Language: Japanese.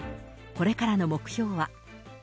これからの目標は。